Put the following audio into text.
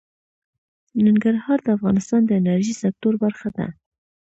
ننګرهار د افغانستان د انرژۍ سکتور برخه ده.